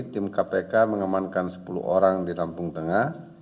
tim kpk mengamankan sepuluh orang di lampung tengah